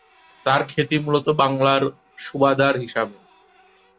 তার খ্যাতি মূলত বাংলার সুবাদার হিসাবে।